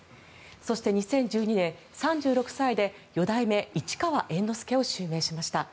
そして、２０１２年３６歳で四代目市川猿之助を襲名しました。